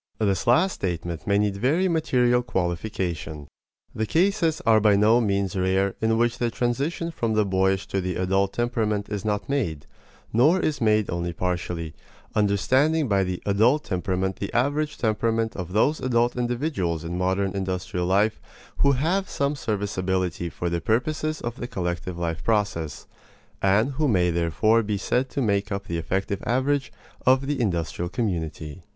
This last statement may need very material qualification. The cases are by no means rare in which the transition from the boyish to the adult temperament is not made, or is made only partially understanding by the "adult" temperament the average temperament of those adult individuals in modern industrial life who have some serviceability for the purposes of the collective life process, and who may therefore be said to make up the effective average of the industrial community.